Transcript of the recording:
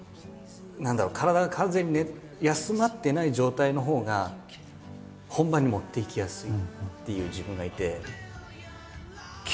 何だろう体が完全に休まってない状態のほうが本番に持っていきやすいっていう自分がいて。